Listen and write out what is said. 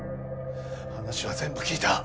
話は全部聞いた！